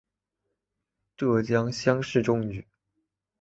浙江乡试中举。